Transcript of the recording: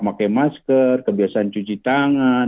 pakai masker kebiasaan cuci tangan